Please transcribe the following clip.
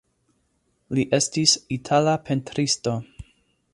Li estis itala pentristo.